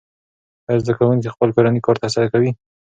آیا زده کوونکي خپل کورنی کار ترسره کوي؟